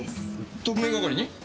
特命係に？